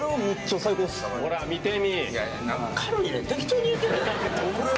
ほら見てみ！